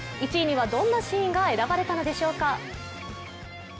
１位には、どんなシーンが選ばれたのでしょうか。